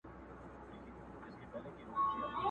جانان مي مه رسوا کوه ماته راځینه؛